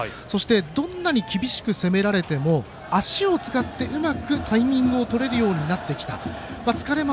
どんなに厳しく攻められても足を使ってうまくタイミングをとれるようになってきた。